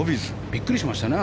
びっくりしましたね